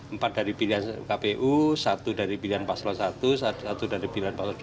empat dari pilihan kpu satu dari pilihan paslon satu satu dari pilihan paslon dua